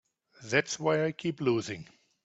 That's why I keep losing.